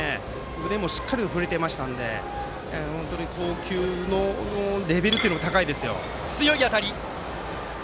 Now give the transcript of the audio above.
腕もしっかり振れていましたので投球のレベルが高いですよ。